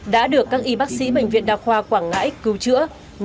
đã được các y bác sĩ bệnh viện đào khoa quảng ngãi cứu trưởng